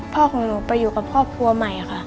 ของหนูไปอยู่กับครอบครัวใหม่ค่ะ